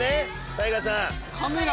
ＴＡＩＧＡさん。